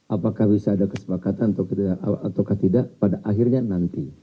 apakah bisa ada kesepakatan atau tidak pada akhirnya nanti